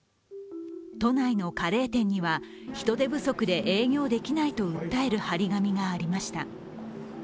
都内のカレー店には人手不足で営業できないと訴える貼り紙がありました。